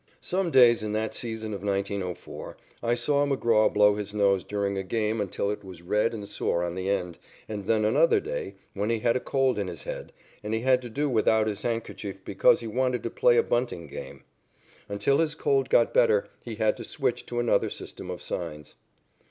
Some days in that season of 1904 I saw McGraw blow his nose during a game until it was red and sore on the end, and then another day, when he had a cold in his head, he had to do without his handkerchief because he wanted to play a bunting game. Until his cold got better, he had to switch to another system of signs.